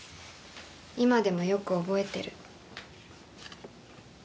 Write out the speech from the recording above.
今でもよく覚えてる。